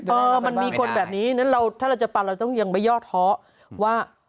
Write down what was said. เออมันมีคนแบบนี้ถ้าเราจะปันเราต้องยังไม่ยอดเทาะ